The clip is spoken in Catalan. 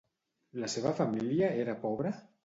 La seva família era pobra?